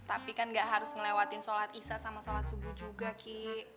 tapi kan gak harus ngelewatin sholat isya sama sholat subuh juga ki